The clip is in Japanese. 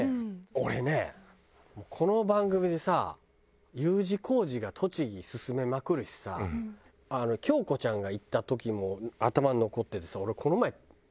俺ねこの番組でさＵ字工事が栃木薦めまくるしさ京子ちゃんが行った時も頭に残っててさ俺。